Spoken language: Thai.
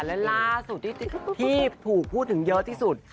และล่าสุดที่ถูกพูดถึงเยอะที่สุด